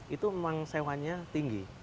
itu memang sewanya tinggi